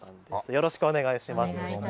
よろしくお願いします。